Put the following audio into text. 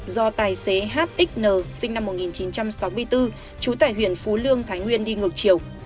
do tài xế hxn sinh năm một nghìn chín trăm sáu mươi bốn trú tại huyện phú lương thái nguyên đi ngược chiều